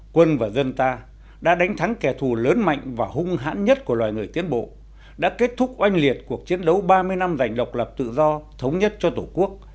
quân và dân ta đã đánh thắng kẻ thù lớn mạnh và hung hãn nhất của loài người tiến bộ đã kết thúc oanh liệt cuộc chiến đấu ba mươi năm giành độc lập tự do thống nhất cho tổ quốc